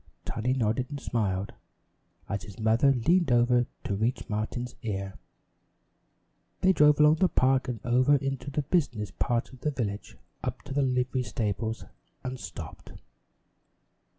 Tiny nodded and smiled, as his mother leaned over to reach Martin's ear. They drove along the park and over into the business part of the village, up to the livery stables and stopped.